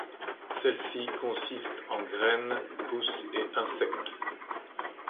Celle-ci consiste en graines, pousses et insectes.